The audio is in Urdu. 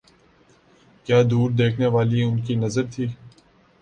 کیا دور دیکھنے والی ان کی نظر تھی۔